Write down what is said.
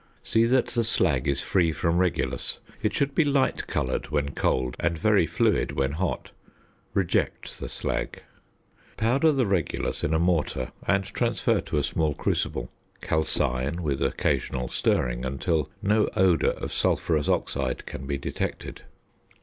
See that the slag is free from regulus. It should be light coloured when cold and very fluid when hot. Reject the slag. Powder the regulus in a mortar and transfer to a small crucible. Calcine, with occasional stirring, until no odour of sulphurous oxide can be detected.